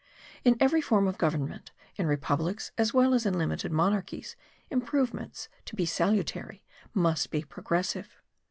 In every form of government, in republics as well as in limited monarchies, improvements, to be salutary, must be progressive.